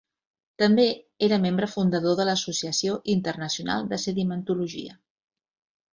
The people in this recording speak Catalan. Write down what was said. També era membre fundador de l'Associació Internacional de Sedimentologia.